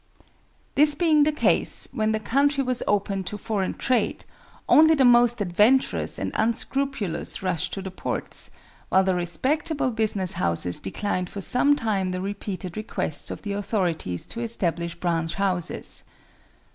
This being the case, when the country was opened to foreign trade, only the most adventurous and unscrupulous rushed to the ports, while the respectable business houses declined for some time the repeated requests of the authorities to establish branch houses.